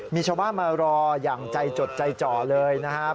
มีชาวบ้านมารออย่างใจจดใจจ่อเลยนะครับ